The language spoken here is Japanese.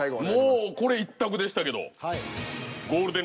もうこれ一択でしたけど。